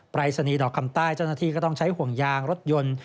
รายศนีย์ดอกคำใต้เจ้าหน้าที่ก็ต้องใช้ห่วงยางรถยนต์